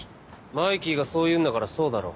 マイキーがそう言うんだからそうだろ。